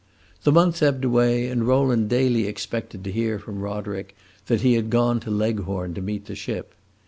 The month ebbed away and Rowland daily expected to hear from Roderick that he had gone to Leghorn to meet the ship.